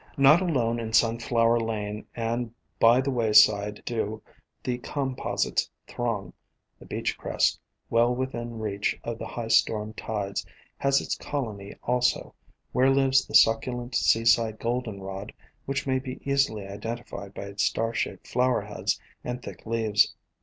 Not alone in Sunflower Lane and by the way sides do the Composites throng; the beach crest, well within reach of the high storm tides, has its colony also, where lives the suc culent Seaside Goldenrod which may be easily identified by its star shaped flower heads and thick leaves.